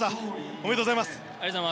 ありがとうございます。